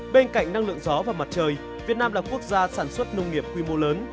bên cạnh năng lượng gió và mặt trời việt nam là quốc gia sản xuất nông nghiệp quy mô lớn